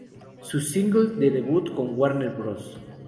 Su single de debut con Warner Bros.